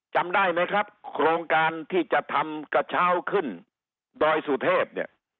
จำได้ไหมครับโครงการที่จะทำกระเช้าขึ้นดอยสุเทพเนี่ย